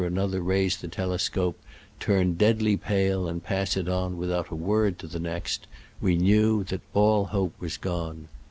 another raise the telescope, turn deadly pale and pass it on without a word to the next, we knew that all hope was gone.